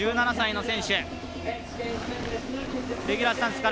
１７歳の選手。